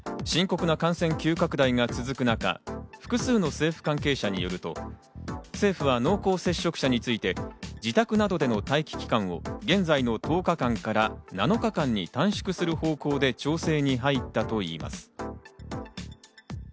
深刻な感染急拡大が続く中、複数の政府関係者によると、政府は濃厚接触者について自宅などでの待機期間を現在の１０日間から７日間に短縮する方向で調整に入ったといいます。